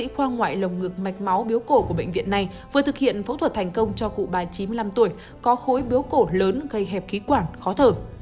khoa ngoại lồng ngực mạch máu biếu cổ của bệnh viện này vừa thực hiện phẫu thuật thành công cho cụ bà chín mươi năm tuổi có khối biếu cổ lớn gây hẹp khí quản khó thở